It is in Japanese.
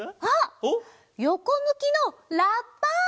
あっよこむきのラッパ！